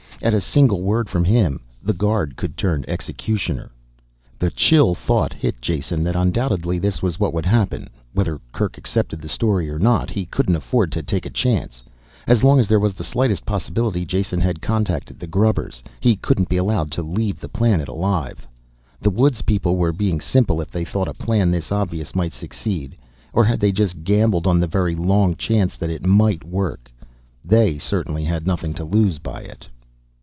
At a single word from him, the guard could turn executioner. The chill thought hit Jason that undoubtedly this was what would happen. Whether Kerk accepted the story or not he couldn't afford to take a chance. As long as there was the slightest possibility Jason had contacted the grubbers, he could not be allowed to leave the planet alive. The woods people were being simple if they thought a plan this obvious might succeed. Or had they just gambled on the very long chance it might work? They certainly had nothing to lose by it.